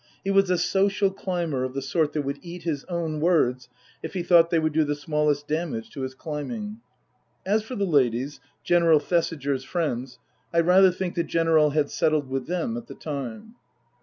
He was a " social climber " of the sort that would eat his own words if he thought they would do the smallest damage to his climbing. As for the ladies, General Thesiger's friends, I rather think the General had settled with them at the time.